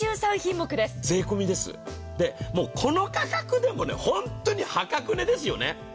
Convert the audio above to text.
税込みです、この価格でも本当に破格値ですよね。